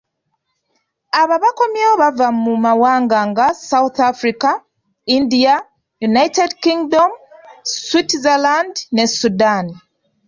Abo abakomyewo bava mu mawanga nga South Africa, India, United Kingdom, Switzerland ne Sudan.